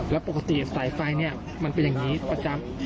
แล้วปกติสายไฟมันเป็นอย่างนี้ประจำ